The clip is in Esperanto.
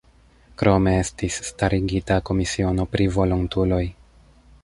Krome estis starigita komisiono pri volontuloj.